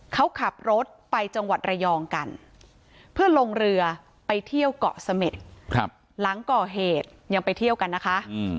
เขาขับรถไปจังหวัดระยองกันเพื่อลงเรือไปเที่ยวเกาะเสม็ดหลังก่อเหตุยังไปเที่ยวกันนะคะ